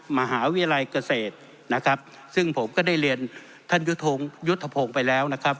มหาวิทยาลัยเกษตรนะครับซึ่งผมก็ได้เรียนท่านยุทธพงศ์ไปแล้วนะครับ